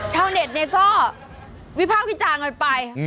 ชาวเน็ตเนี่ยก็วิภาคพิจารณ์ก่อนไป